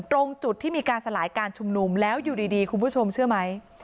ตรงจุดที่มีการสลายการชุมนุมแล้วอยู่ดีคุณผู้ชมเชื่อไหม